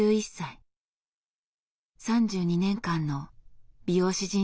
３２年間の美容師人生でした。